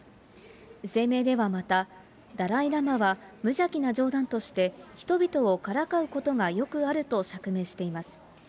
声明ではまた、ダライ・ラマは無邪気な冗談として、人々をからかうことがよくあると釈明しています。